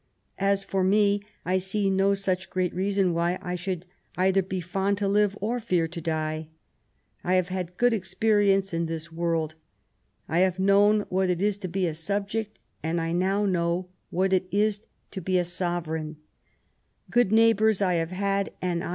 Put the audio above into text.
As for me, I see no such great reason why I should either be fond to live or fear to die. I have had good experience of this world. I have known what it is to be a subject, and I now know what it is to be a sovereign. Good neighbours I have had, and I THE CRISIS.